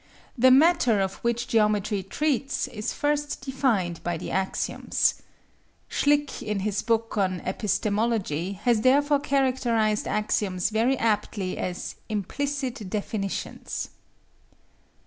The matter of which geometry treats is first defined by the axioms. Schlick in his book on epistemology has therefore characterised axioms very aptly as "implicit definitions."